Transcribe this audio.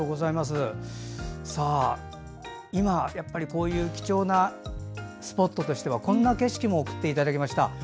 今、こういう貴重なスポットとしてはこんな景色も送っていただきました。